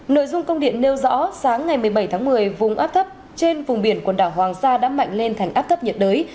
nội dung công điện nêu rõ sáng ngày một mươi bảy tháng một mươi vùng áp thấp trên vùng biển quần đảo hoàng sa đã mạnh lên thành áp thấp nhiệt đới